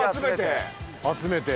集めて？